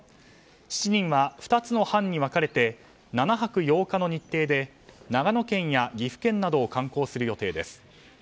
７人は２つの班に分かれて７泊８日の日程で長野県や岐阜県などを観光する予定です。